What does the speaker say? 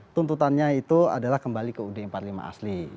tuntutannya itu adalah kembali ke ud empat puluh lima asli